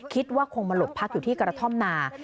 คิดว่าคงมาหลบพักอยู่ที่กระท่อมนา